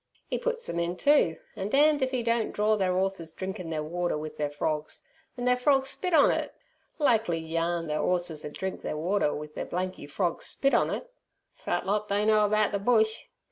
'E puts them in too, an' damned if 'e don't dror ther 'orses drinkin' ther water with ther frogs, an' ther frogs' spit on it! Likely yarn ther 'orses ud drink ther water with ther blanky frogs' spit on it! Fat lot they know about ther bush!